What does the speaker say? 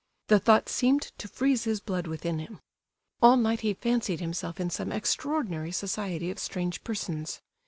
The thought seemed to freeze his blood within him. All night he fancied himself in some extraordinary society of strange persons.